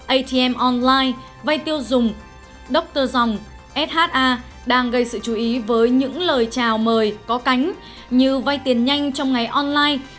atm online vay tiêu dùng dr zong sha đang gây sự chú ý với những lời chào mời có cánh như vay tiền nhanh trong ngày online